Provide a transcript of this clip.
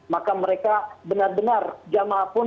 maka mereka benar benar jamaah pun